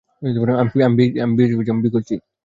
আমি বিয়ে করছি!